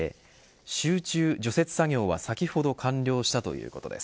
集中除雪作業は先ほど完了したということです。